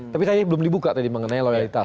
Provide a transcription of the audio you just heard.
tapi kayaknya belum dibuka tadi mengenai loyalitas